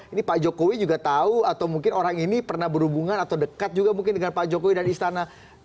ini pak jokowi juga tahu atau mungkin orang ini pernah berhubungan atau dekat juga mungkin dengan pak jokowi dan istana